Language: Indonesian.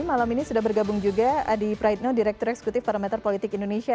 malam ini sudah bergabung juga adi praitno direktur eksekutif parameter politik indonesia